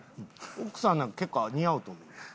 奥さんなんか結構似合うと思う。